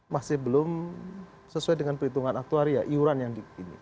masih belum sesuai dengan perhitungan aktuari ya iuran yang ini